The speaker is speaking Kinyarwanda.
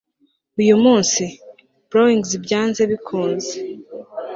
uyu munsi, brownings byanze bikunze